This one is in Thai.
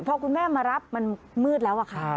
พอคุณแม่มารับมันมืดแล้วอะค่ะ